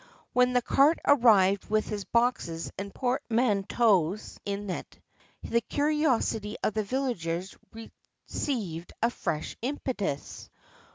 When the cart arrived with his boxes and portmanteaus in it, the curiosity of the villagers received a fresh impetus.